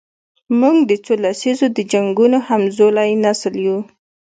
موږ د څو لسیزو د جنګونو همزولی نسل یو.